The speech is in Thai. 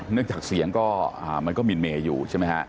เนื่องจากเสียงก็มีนเมย์อยู่